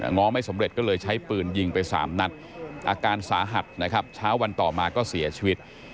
ง้อไม่สำเร็จก็เลยใช้ปืนยิงไป๓นัดอาการสาหัสนะครับเช้าวันต่อมาก็เสียชีวิต